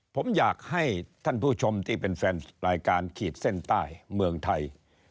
ผมอยากให้ท่านผู้ชมที่เป็นแฟนรายการขีดเส้นใต้เมืองไทย